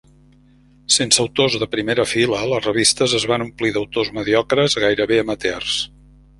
Sense autors de primera fila, les revistes es van omplir d'autors mediocres, gairebé amateurs.